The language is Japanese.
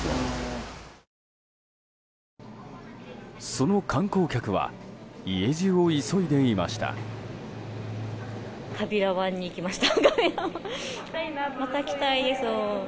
その観光客は家路を急いでいました。